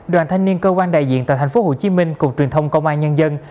đoàn thanh niên cơ quan đại diện tại tp hcm cục truyền thông công an nhân dân